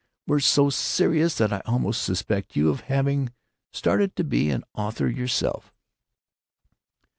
You're so serious that I almost suspect you of having started to be an author yourself."